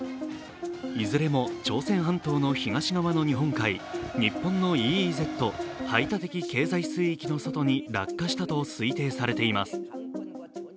いずれも朝鮮半島の東側の日本海、日本のＥＥＺ＝排他的経済水域の外に落下したと推定されています。